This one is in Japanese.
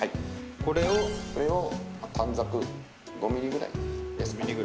これを短冊、５ｍｍぐらいに。